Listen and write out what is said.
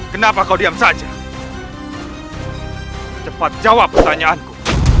kenapa kau diam saja cepat jawab pertanyaanku